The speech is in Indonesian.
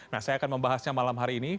nah saya akan membahasnya malam hari ini